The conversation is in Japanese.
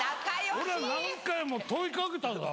俺は何回も問いかけただろ！